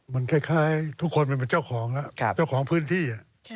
มันคล้ายทุกคนมันเป็นเจ้าของแล้วเจ้าของพื้นที่